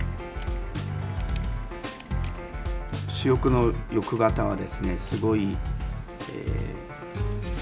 主翼の翼型はですねすごいえ。